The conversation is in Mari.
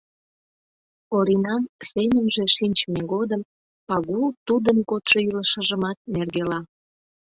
Оринан семынже шинчыме годым Пагул тудын кодшо илышыжымат нергела.